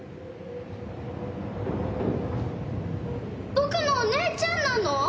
僕のお姉ちゃんなの？